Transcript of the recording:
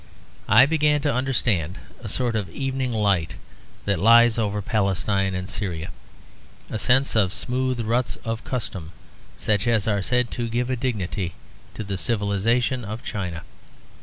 I began to understand a sort of evening light that lies over Palestine and Syria; a sense of smooth ruts of custom such as are said to give a dignity to the civilisation of China.